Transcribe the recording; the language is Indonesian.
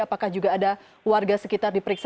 apakah juga ada warga sekitar diperiksa